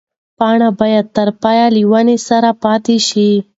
پاڼه باید تر پایه له ونې سره پاتې شي.